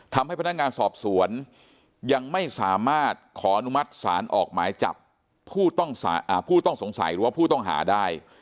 ทำให้พนักงานสอบสวนยังไม่สามารถขออนุมัติศาลออกหมายจับผู้ต้องสงสัยหรือว่าผู้ต้องหาได้